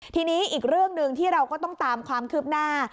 ทีนี้อีกเรื่องหนึ่งที่เราก็ต้องตามความคืบหน้า